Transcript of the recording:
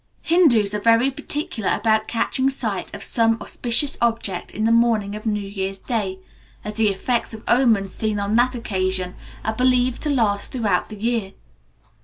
Hindus are very particular about catching sight of some auspicious object on the morning of New Year's Day, as the effects of omens seen on that occasion are believed to last throughout the year.